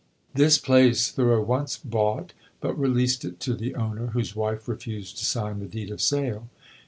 This place Thoreau once bought, but released it to the owner, whose wife refused to sign the deed of sale.